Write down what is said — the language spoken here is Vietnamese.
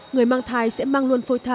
người mang thai sẽ mang luôn phôi thai